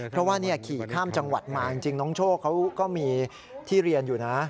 เพราะว่าขี่ข้ามจังหวัดมาจริงน้องโชคเขาก็มีที่เรียนอยู่นะ